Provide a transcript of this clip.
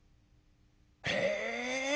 「へえ。